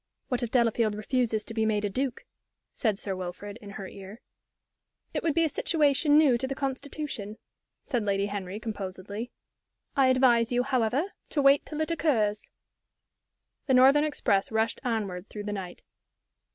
"What if Delafield refuses to be made a duke?" said Sir Wilfrid, in her ear. "It would be a situation new to the Constitution," said Lady Henry, composedly. "I advise you, however, to wait till it occurs." The northern express rushed onward through the night.